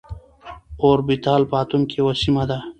اوربيتال په اتوم کي يوه سيمه ده.